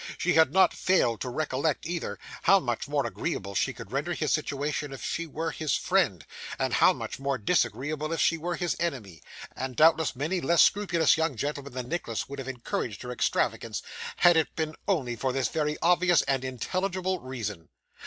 She had not failed to recollect, either, how much more agreeable she could render his situation if she were his friend, and how much more disagreeable if she were his enemy; and, doubtless, many less scrupulous young gentlemen than Nicholas would have encouraged her extravagance had it been only for this very obvious and intelligible reason.